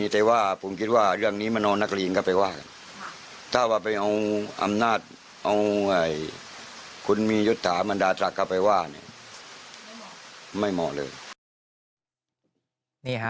แต่ว่าผมคิดว่าเรื่องนี้มานอนนักเรียนก็ไปว่ากันถ้าว่าไปเอาอำนาจเอาคุณมียุทธามันดาตระเข้าไปว่าไม่เหมาะเลย